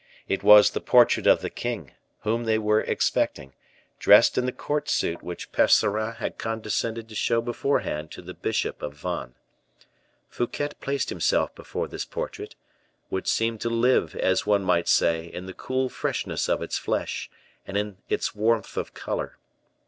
It was the portrait of the king, whom they were expecting, dressed in the court suit which Percerin had condescended to show beforehand to the bishop of Vannes. Fouquet placed himself before this portrait, which seemed to live, as one might say, in the cool freshness of its flesh, and in its warmth of color.